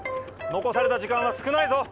残された時間は少ないぞ。